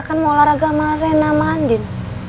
kan mau olahraga sama rena mandin